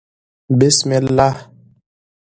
بسم الله